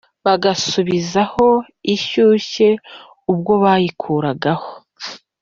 bagasubizaho ishyushye ubwo bayikuragaho.